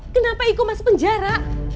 kenapa iko masuk penjara